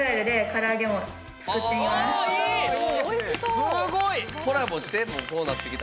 すごい！